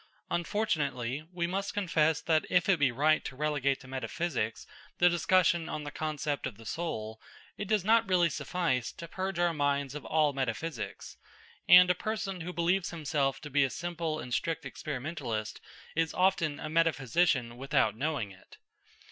Unfortunately; we must confess that if it be right to relegate to metaphysics the discussion on the concept of the soul, it does not really suffice to purge our minds of all metaphysics; and a person who believes himself to be a simple and strict experimentalist is often a metaphysician without knowing it.